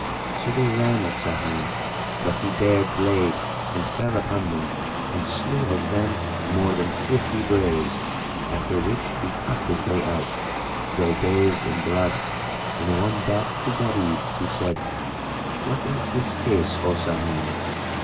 [FN#4] So they ran at Sahim; but he bared blade and fell upon them and slew of them more than fifty braves; after which he cut his way out, though bathed in blood, and won back to Gharib, who said, "What is this case, O Sahim?"